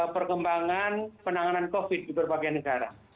perkembangan penanganan covid di berbagai negara